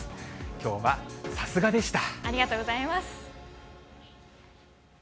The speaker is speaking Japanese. きょうはさすがでした。